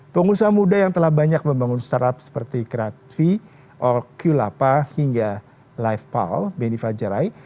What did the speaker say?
pengusaha muda yang telah banyak membangun startup seperti kratvi orkulapa hingga lifepal benefajarai